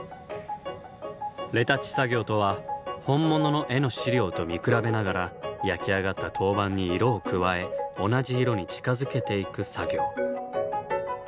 レタッチ作業とは本物の絵の資料と見比べながら焼き上がった陶板に色を加え同じ色に近づけていく作業。